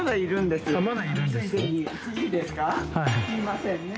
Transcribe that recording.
すいませんね。